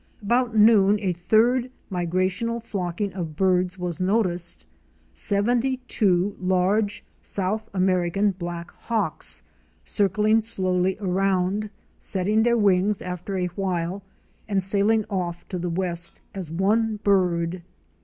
About noon a third migrational flocking of birds was noticed; seventy two large South American Black Hawks® circling slowly around, setting their wings after a while and sailing off to the west as one bird.